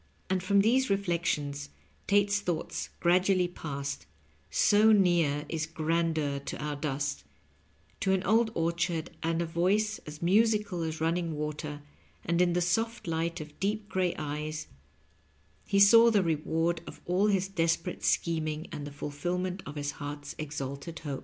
And from these reflections Tate's thoughts gradually passed —'* so near is grandeur to our dust "— ^to an old orchard and a voice as musical as running water, and in the soft light of deep gray eyes he saw the reward of all his desperate scheming and the fulfillment of his heart's exalted hope.